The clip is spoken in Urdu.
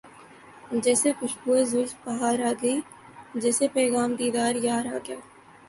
جیسے خوشبوئے زلف بہار آ گئی جیسے پیغام دیدار یار آ گیا